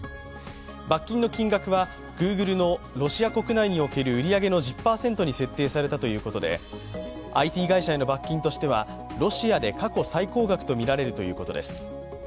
罰金の金額はＧｏｏｇｌｅのロシア国内における売り上げの１０％に設定されたということでＩＴ会社への罰金としてはロシアで過去最高額とみられるということです。